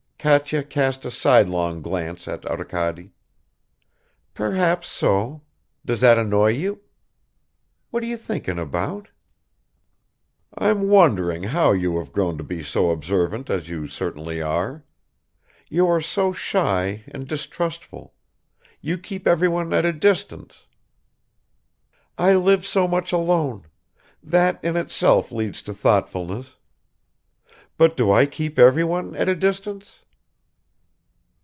Katya cast a sidelong glance at Arkady. "Perhaps so; does that annoy you? What are you thinking about?" "I'm wondering how you have grown to be so observant as you certainly are. You are so shy and distrustful; you keep everyone at a distance ..." "I live so much alone; that in itself leads to thoughtfulness. But do I keep everyone at a distance?"